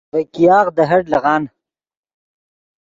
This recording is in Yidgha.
ڤے ګیاغ دے ہٹ لیغان